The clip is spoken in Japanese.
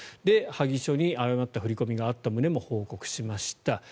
萩署に誤った振り込みがあった旨も報告しました。